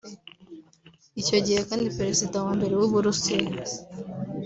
Icyo gihe kandi Perezida wa Mbere w’u Burusiya